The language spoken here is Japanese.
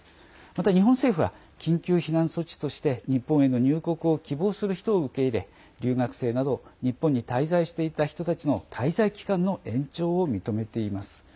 また、日本政府は緊急避難措置として日本への入国を希望する人を受け入れ留学生など日本に滞在していた人たちの滞在期間の延長を認めています。